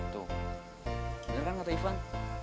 tuh beneran kata ivan